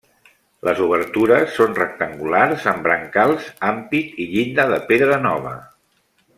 Les obertures són rectangulars amb brancals, ampit i llinda de pedra nova.